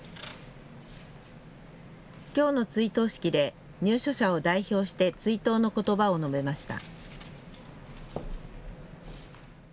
きょうの追悼式で入所者を代表して追悼のことばを述べました。